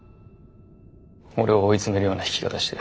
俺を追い詰めるような弾き方して。